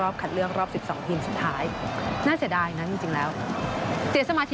พูดสามารถตัวเขาก็พลาด